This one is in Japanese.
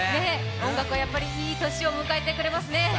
音楽はやっぱりいい年を迎えてくれますね。